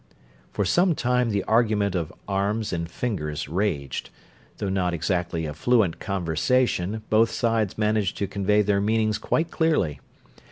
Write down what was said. For some time the argument of arms and fingers raged though not exactly a fluent conversation, both sides managed to convey their meanings quite clearly.